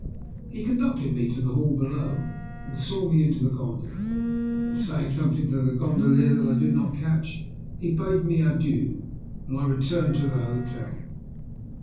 He conducted me to the hall below and saw me into the gondola. Then saying something to the gondolier that I did not catch, he bade me adieu, and I returned to the hotel.